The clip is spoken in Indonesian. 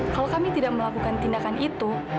kalau kami tidak melakukan tindakan itu